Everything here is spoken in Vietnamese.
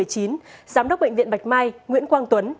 giám đốc bệnh viện bạch mai nguyễn quang tuấn